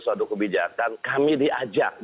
suatu kebijakan kami diajak